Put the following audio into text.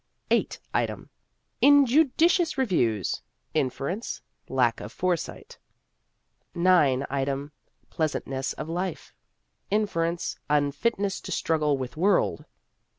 VIII. Item : Injudicious reviews. Inference : Lack of foresight. IX. Item : Pleasantness of life. Inference : Unfitness to struggle with world.